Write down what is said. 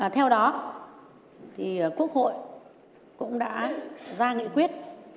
theo đó quốc hội cũng đã ra nghị quyết